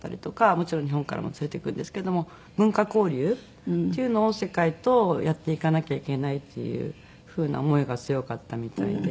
もちろん日本からも連れていくんですけども文化交流っていうのを世界とやっていかなきゃいけないっていう風な思いが強かったみたいで。